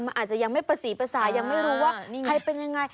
มันอาจจะยังไม่ประสีภาษายังไม่รู้ว่าใครเป็นยังไง